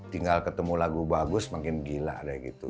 tinggal ketemu lagu bagus makin gila kayak gitu